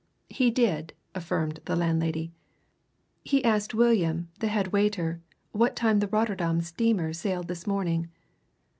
"He did," affirmed the landlady. "He asked William, the head waiter, what time the Rotterdam steamer sailed this morning."